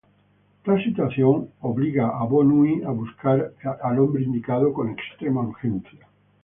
Tal situación obliga a Bo Nui a buscar al hombre indicado con extrema urgencia.